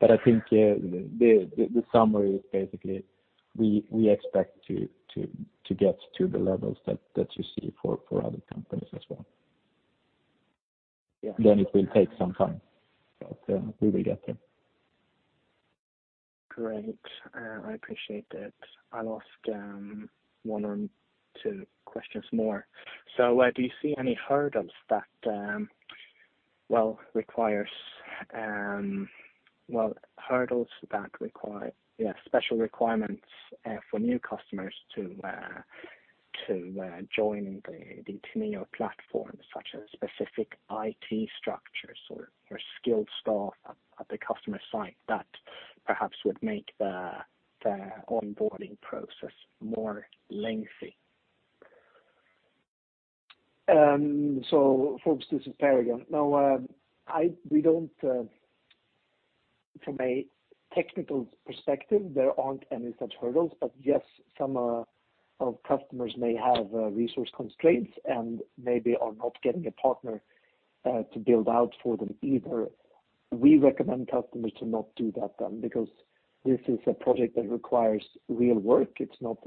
but I think the summary is basically we expect to get to the levels that you see for other companies as well. Yeah. It will take some time, but we will get there. Great. I appreciate that. I'll ask one or two questions more. Do you see any hurdles that require special requirements for new customers to join the Teneo platform, such as specific IT structures or skilled staff at the customer site that perhaps would make the onboarding process more lengthy? Forbes, this is Per again. No, we don't. From a technical perspective, there aren't any such hurdles, but yes, some of customers may have resource constraints and maybe are not getting a partner to build out for them either. We recommend customers to not do that then, because this is a project that requires real work. It's not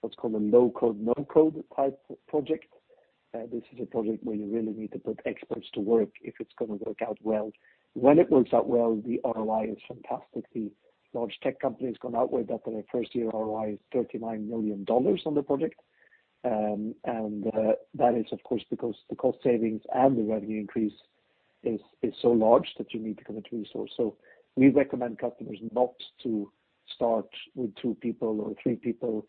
what's called a no-code type project. This is a project where you really need to put experts to work if it's gonna work out well. When it works out well, the ROI is fantastic. The large tech company has gone out with that their first year ROI is $39 million on the project. That is of course because the cost savings and the revenue increase is so large that you need to commit resource. We recommend customers not to start with two people or three people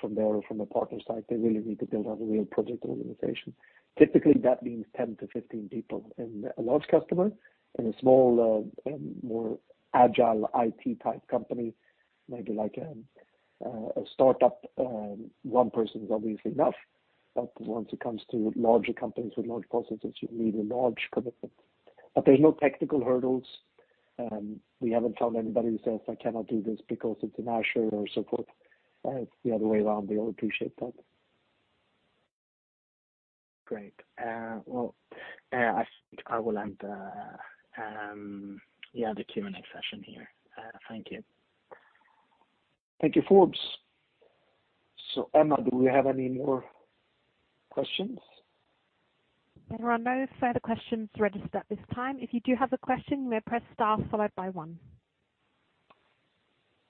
from a partner site. They really need to build out a real project organization. Typically, that means 10-15 people in a large customer. In a small, more agile IT type company, maybe like a startup, one person is obviously enough, but once it comes to larger companies with large processes, you need a large commitment. There's no technical hurdles. We haven't found anybody who says, "I cannot do this because it's in Azure or so forth." It's the other way around. They all appreciate that. Great. Well, I think I will end the Q&A session here. Thank you. Thank you, Forbes. Emma, do we have any more questions? There are no further questions registered at this time. If you do have a question, you may press star followed by one.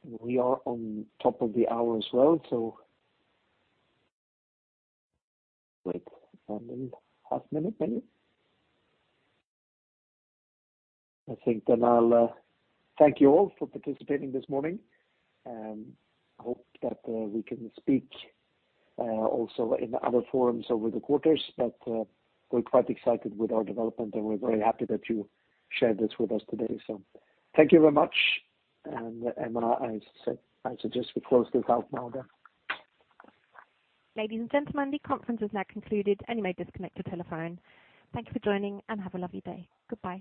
We are on top of the hour as well. Wait, half minute maybe. I think then I'll thank you all for participating this morning. I hope that we can speak also in other forums over the quarters. We're quite excited with our development, and we're very happy that you shared this with us today. Thank you very much. Emma, I suggest we close this out now then. Ladies and gentlemen, the conference is now concluded and you may disconnect your telephone. Thank you for joining, and have a lovely day. Goodbye.